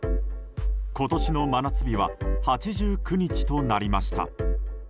今年の真夏日は８９日となりました。